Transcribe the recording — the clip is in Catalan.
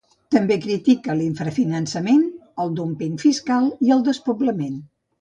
També critica l’infrafinançament, el dúmping fiscal i el despoblament.